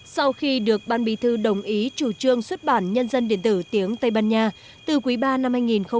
sau khi được ban bí thư đồng ý chủ trương xuất bản nhân dân điện tử tiếng tây ban nha từ quý ba năm hai nghìn một mươi chín